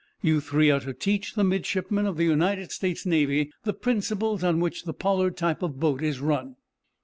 You three are to teach the midshipmen of the United States Navy the principles on which the Pollard type of boat is run.